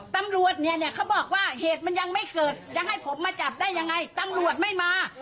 ตำรวจเนี่ยเนี่ยเขาบอกว่าเหตุมันยังไม่เกิดจะให้ผมมาจับได้ยังไงตำรวจไม่มา